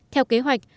theo kế hoạch